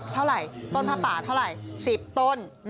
ต้นผ้าป่าเท่าไหร่๑๐ต้น